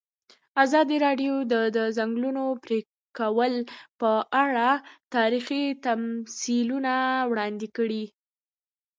ازادي راډیو د د ځنګلونو پرېکول په اړه تاریخي تمثیلونه وړاندې کړي.